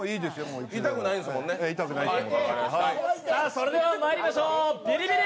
それではまいりましょう、ビリビリ！